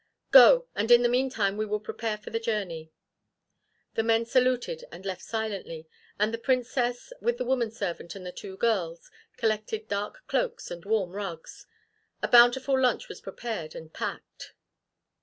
"Go, and in the meantime we will prepare for the journey." The men saluted and left silently, and the Princess with the woman servant and the two girls, collected dark cloaks and warm rugs. A bountiful lunch was prepared and packed.